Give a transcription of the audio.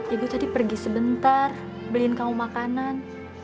ibu tadi pergi sebentar beliin kamu makanan